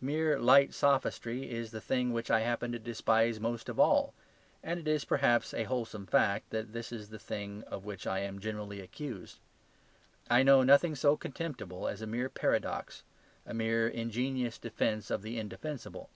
Mere light sophistry is the thing that I happen to despise most of all things, and it is perhaps a wholesome fact that this is the thing of which I am generally accused. I know nothing so contemptible as a mere paradox; a mere ingenious defence of the indefensible.